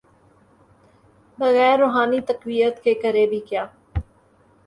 بغیر روحانی تقویت کے، کرے بھی کیا۔